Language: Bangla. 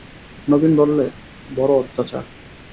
নবীন বললে, বড়ো অত্যাচার!